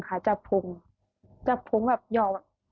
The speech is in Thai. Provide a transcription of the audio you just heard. ผู้ชายหาว่าไปจับพุงหรือเปล่า